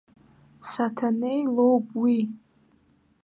Саҭанеи лоуп уи.